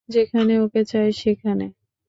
যেখানে ওকে চাই, সেখানে।